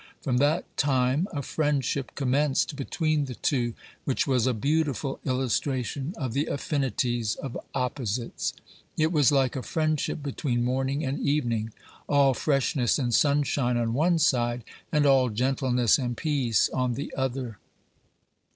From that time a friendship commenced between the two, which was a beautiful illustration of the affinities of opposites. It was like a friendship between morning and evening all freshness and sunshine on one side, and all gentleness and peace on the other.